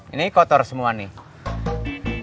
ini kotor semua nih